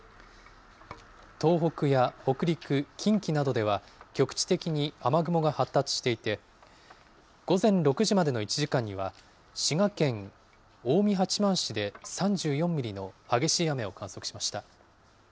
東北や北陸、近畿などでは、局地的に雨雲が発達していて、午前６時までの１時間には、滋賀県近江八幡市で３４ミリの激しい雨を観測しました。